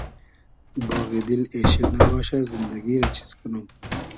باغی دیل اېشیل نئباشۂ زیندئگی رۂ چیز کئنوم